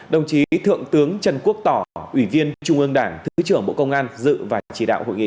đồng chí thượng tướng trần quốc tỏ ủy viên trung ương đảng thứ trưởng bộ công an dự và chỉ đạo hội nghị